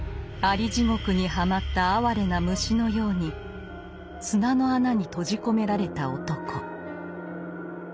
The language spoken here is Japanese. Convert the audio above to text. アリ地獄にはまった哀れな虫のように砂の穴にとじこめられた男。